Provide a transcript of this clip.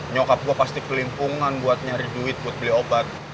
nyokap gua pasti kelimpungan buat nyari duit buat beli obat